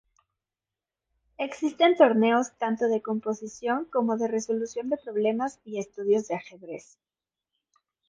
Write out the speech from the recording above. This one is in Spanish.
Existen torneos tanto de composición como de resolución de problemas y estudios de ajedrez.